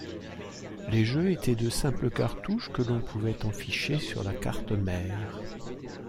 Les jeux étaient de simples cartouches que l'on pouvait enficher sur la carte mère.